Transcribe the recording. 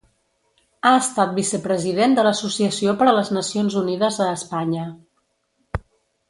Ha estat vicepresident de l'Associació per a les Nacions Unides a Espanya.